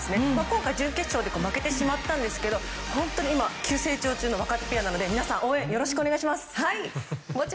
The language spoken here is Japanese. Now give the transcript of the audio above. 今回、準決勝で負けてしまったんですけど本当に今急成長中の若手ペアなので皆さん応援よろしくお願いします。